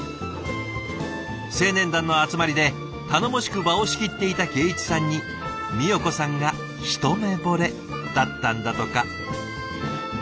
青年団の集まりで頼もしく場を仕切っていた敬一さんにみよ子さんが一目ぼれだったんだとか。